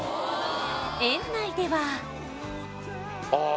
園内ではあ